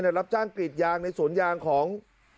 ต้องเข้าจ้างกรีดยางในสวนยางของ